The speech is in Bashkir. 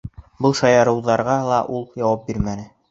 Был шаярыуҙарға ла ул яуап бирмәне.